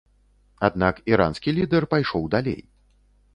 Аднак іранскі лідэр пайшоў далей.